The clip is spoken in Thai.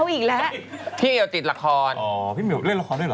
พี่เยาติดติดละครอ้อพี่เมียลเล่นละครด้วยเหรอ